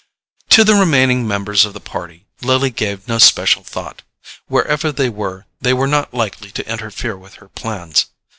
To the remaining members of the party Lily gave no special thought; wherever they were, they were not likely to interfere with her plans.